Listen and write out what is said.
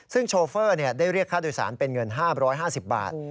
ซึ่งโชเฟอร์ได้เรียกค่าโดยสารเป็นเงิน๕๕๐บาท